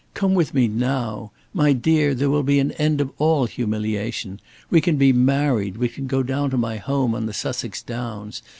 "Come with me now! My dear, there will be an end of all humiliation. We can be married, we can go down to my home on the Sussex Downs.